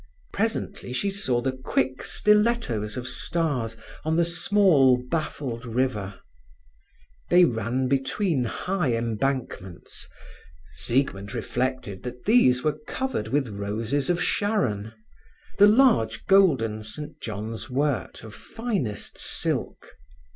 Presently she saw the quick stilettos of stars on the small, baffled river; they ran between high embankments. Siegmund recollected that these were covered with roses of Sharon—the large golden St John's wort of finest silk.